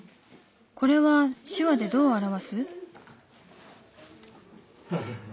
これは手話でどう表す？